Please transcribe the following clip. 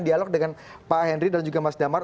dialog dengan pak henry dan juga mas damar